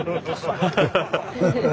ハハハハッ！